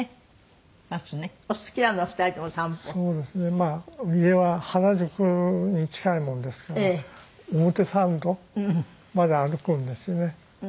まあ家は原宿に近いものですから表参道まで歩くんですね。